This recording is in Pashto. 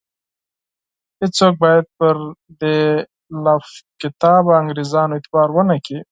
هیڅوک باید پر دې لافکتابه انګرېزانو اعتبار ونه کړي.